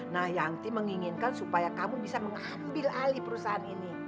nah yangti menginginkan supaya kamu bisa mengambil alih perusahaan ini